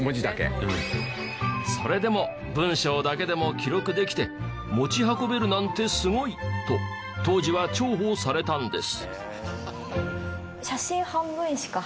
それでも文章だけでも記録できて持ち運べるなんてすごい！と当時は重宝されたんです。